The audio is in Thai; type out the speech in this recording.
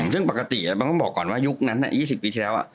ซึ่งปกติมันต้องบอกก่อนว่ายุคนั้น๒๐ปีที่แล้ว